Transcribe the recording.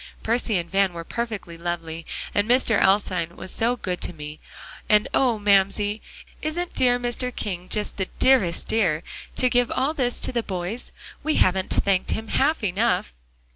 "Percy and Van were perfectly lovely, and Mr. Alstyne was so good to me. And oh! Mamsie, isn't dear Mr. King just the dearest dear, to give all this to the boys? We haven't thanked him half enough."